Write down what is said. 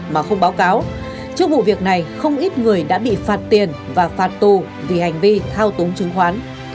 mà không báo cáo trước vụ việc này không ít người đã bị phạt tiền và phạt tù vì hành vi thao túng chứng khoán